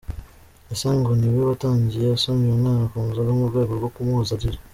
Ise ngo niwe watangiye asomya uyu mwana ku nzoga mu rwego rwo kumuhoza arira.